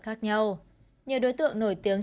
khác nhau nhiều đối tượng nổi tiếng